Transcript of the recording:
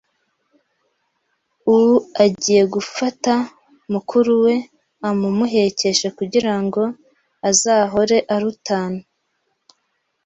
“Uu agiye gufata mukuru we amumuhekeshe kugira ngo azahore arutana